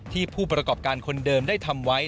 ผู้ประกอบการคนเดิมได้ทำไว้